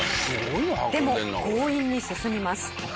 でも強引に進みます。